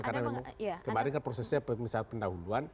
karena kemarin kan prosesnya misal pendahuluan